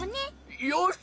よし！